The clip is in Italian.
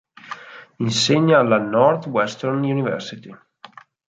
Insegna alla Northwestern University.